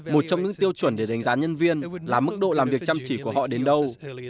một trong những tiêu chuẩn để đánh giá nhân viên là mức độ làm việc chăm chỉ của họ đến đâu